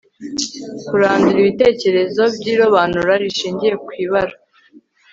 kurandura ibitekerezo by'irobanura rishingiye kw'ibara